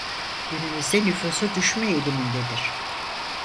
Günümüzde nüfusu düşme eğilimindedir.